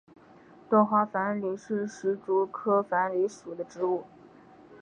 多花繁缕是石竹科繁缕属的植物。